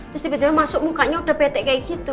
terus tiba tiba masuk mukanya udah betek kayak gitu